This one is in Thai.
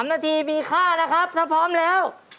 ๓นาทีมีค่านะครับถ้าพร้อมแล้ว